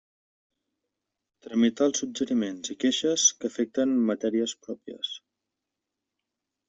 Tramitar els suggeriments i queixes que afecten matèries pròpies.